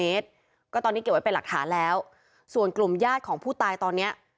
เป็นเสื้อคลุมของนายจรัส